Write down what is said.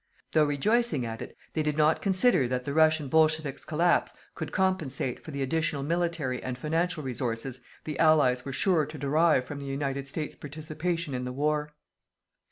Though rejoicing at it, they did not consider that the Russian bolsheviki's collapse could compensate for the additional military and financial resources the Allies were sure to derive from the United States participation in the war.